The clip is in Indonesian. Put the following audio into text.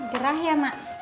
gerah ya mak